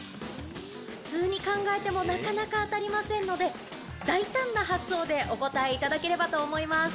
普通に考えてもなかなか当たりませんので大胆な発想でお答えいただければと思います。